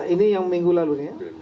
ini yang minggu lalu